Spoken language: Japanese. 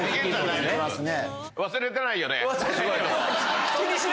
忘れてないです